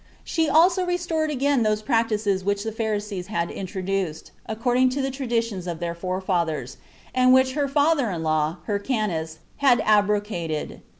She also restored again those practices which the Pharisees had introduced, according to the traditions of their forefathers, and which her father in law, Hyrcanus, had abrogated.